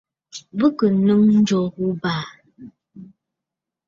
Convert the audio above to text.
Bɨ kɨ̀ nɨ̌ŋ ǹjò ghu abàà.